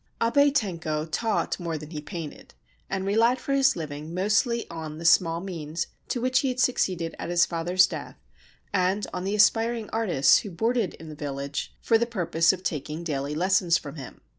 Abe Tenko taught more than he painted, and relied for his living mostly on the small means to which he had succeeded at his father's death and on the aspiring artists who boarded in the village for the purpose of taking daily lessons from him.